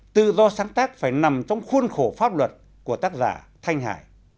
tự do sáng tác phải nằm trong khuôn khổ pháp luật của tác giả thanh hải